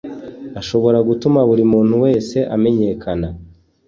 ashobora gutuma buri muntu wese amenyekana